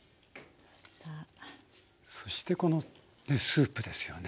そしてこのスープですよね。